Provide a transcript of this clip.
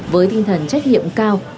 với tinh thần trách nhiệm cao